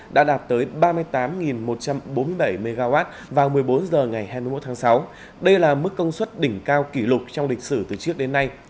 đã đạt tới ba mươi tám một trăm bốn mươi bảy mw vào một mươi bốn h ngày hai mươi một tháng sáu đây là mức công suất đỉnh cao kỷ lục trong lịch sử từ trước đến nay